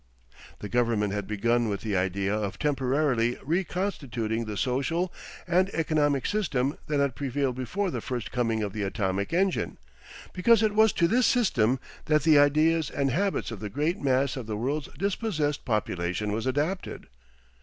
The government had begun with the idea of temporarily reconstituting the social and economic system that had prevailed before the first coming of the atomic engine, because it was to this system that the ideas and habits of the great mass of the world's dispossessed population was adapted.